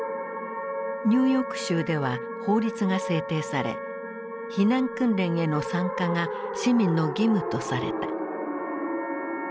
ニューヨーク州では法律が制定され避難訓練への参加が市民の義務とされた。